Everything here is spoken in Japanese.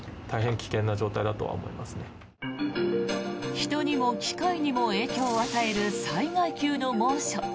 人にも機械にも影響を与える災害級の猛暑。